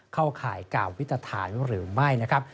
เข้าข่ายกาววิตรฐานหรือไม่นะครับ